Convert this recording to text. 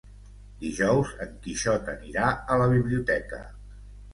Dijous en Quixot anirà a la biblioteca.